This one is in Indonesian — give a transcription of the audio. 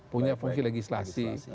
punya fungsi legislasi